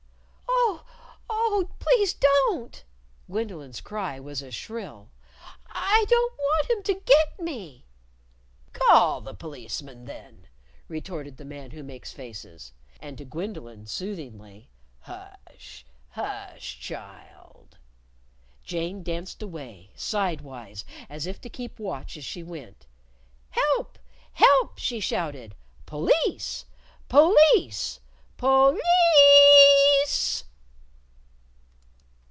"Oh! Oh! Please don't!" Gwendolyn's cry was as shrill. "I don't want him to get me!" "Call the Policeman then," retorted the Man Who Makes Faces. And to Gwendolyn, soothingly, "Hush! Hush, child!" Jane danced away sidewise, as if to keep watch as she went. "Help! Help!" she shouted. "Police! Police!! _Poli i i ice!!!